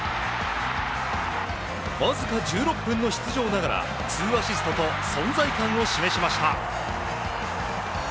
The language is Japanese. わずか１６分の出場ながら２アシストと存在感を示しました。